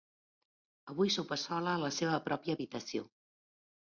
Avui sopa sola a la seva pròpia habitació.